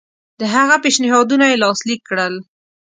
د هغه پېشنهادونه یې لاسلیک کړل.